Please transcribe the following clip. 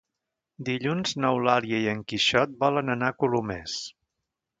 Dilluns n'Eulàlia i en Quixot volen anar a Colomers.